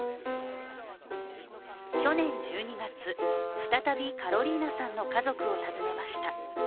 去年１２月、再びカロリーナさんの家族を訪ねました。